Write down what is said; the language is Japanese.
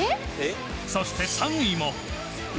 そして３位も。